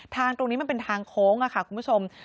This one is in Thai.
ตรงนี้มันเป็นทางโค้งค่ะคุณผู้ชม